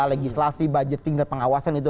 legislasi budgeting dan pengawasan itu